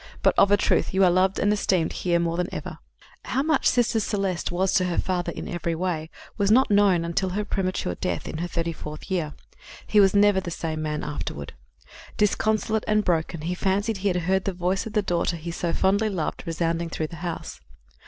But, of a truth, you are loved and esteemed here more than ever." How much Sister Celeste was to her father in every way was not known until after her premature death in her thirty fourth year. He was never the same man afterward. Disconsolate and broken, he fancied he heard the voice of the daughter he so fondly loved resounding through the house.